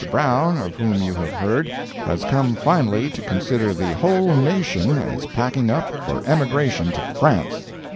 Brown, of whom you have heard, has come finally to consider the whole nation as packing up for emigration to France.